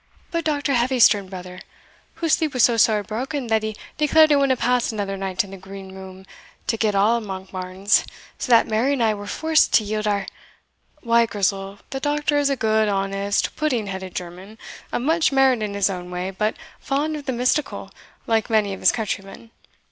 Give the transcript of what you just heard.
but Dr. Heavysterne, brother whose sleep was so sore broken, that he declared he wadna pass another night in the Green Room to get all Monkbarns, so that Mary and I were forced to yield our" "Why, Grizel, the doctor is a good, honest, pudding headed German, of much merit in his own way, but fond of the mystical, like many of his countrymen.